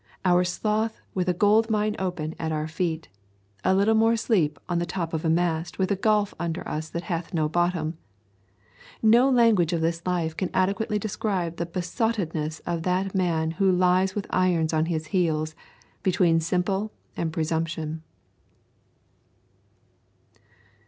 Our sloth with a gold mine open at our feet; a little more sleep on the top of a mast with a gulf under us that hath no bottom, no language of this life can adequately describe the besottedness of that man who lies with irons on his heels between Simple and Presumption.